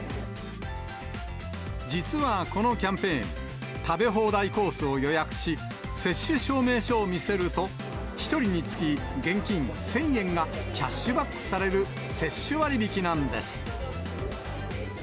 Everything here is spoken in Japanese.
実はこのキャンペーン、食べ放題コースを予約し、接種証明書を見せると、１人につき現金１０００円がキャッシュバックされる、接種割引なんです。